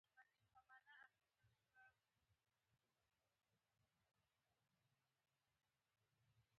د اوسپنې زنګ وهل یو کیمیاوي تعامل دی.